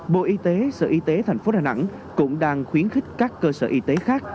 bộ y tế sở y tế thành phố đà nẵng cũng đang khuyến khích các cơ sở y tế khác